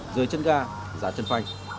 rời chân gà giá chân phanh